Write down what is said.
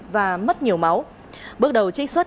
và mất nhiều máu bước đầu trích xuất